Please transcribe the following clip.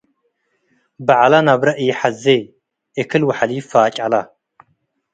በዐለ ነብረ ኢሐዜ - እክል ወሐሊብ ፋጨለ